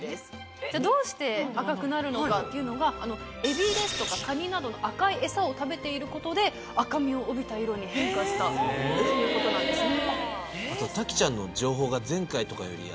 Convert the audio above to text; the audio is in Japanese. じゃあどうして赤くなるのかっていうのがエビですとかカニなどの赤い餌を食べていることで赤みを帯びた色に変化したということなんですね。